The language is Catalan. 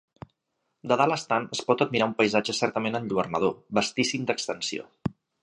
De dalt estant es pot admirar un paisatge certament enlluernador, vastíssim d’extensió.